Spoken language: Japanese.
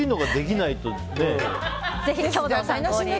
ぜひ今日のを参考に。